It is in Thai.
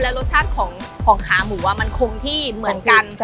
รสชาติของขาหมูมันคงที่เหมือนกัน